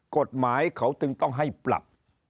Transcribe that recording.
กฎหมายเขาจึงต้องให้ปรับ